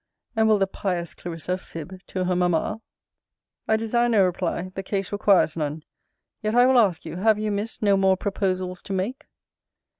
And will the pious Clarissa fib to her mamma? I desire no reply. The case requires none. Yet I will ask you, Have you, Miss, no more proposals to make?